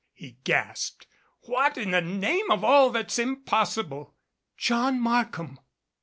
he gasped. "What in the name of all that's impossible " "John Markham!"